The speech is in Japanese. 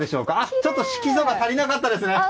ちょっと色素が足りなかったですね。